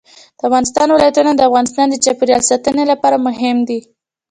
د افغانستان ولايتونه د افغانستان د چاپیریال ساتنې لپاره مهم دي.